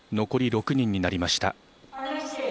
残り６人になりました。